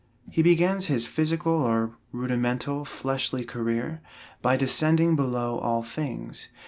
He begins his physical, or rudimental, fleshly career by descending below all things.